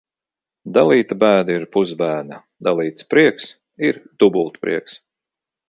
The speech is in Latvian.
Dalīta bēda ir pusbēda, dalīts prieks ir dubultprieks.